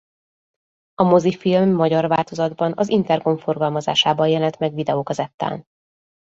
A mozifilm magyar változatban az InterCom forgalmazásában jelent meg videókazettán.